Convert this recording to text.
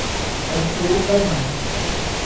ฉันรู้ได้ไหม